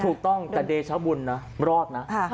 ถูกต้องแต่เดชบุญนะรอดนะ